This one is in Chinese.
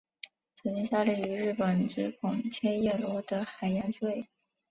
曾经效力于日本职棒千叶罗德海洋队。